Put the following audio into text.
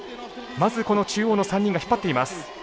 まず、中央の３人が引っ張っています。